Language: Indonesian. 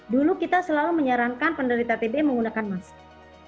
dulu kita selalu menyarankan penderita pb menggunakan masker